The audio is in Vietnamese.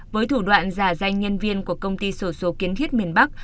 với thủ đoạn giả danh nhân viên của công ty sổ số kiến thiết miền bắc